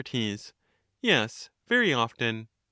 Soc. Yes, very often.